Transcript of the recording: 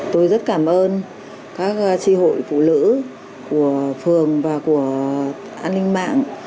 tôi rất cảm ơn các tri hội phụ nữ của phường và của an ninh mạng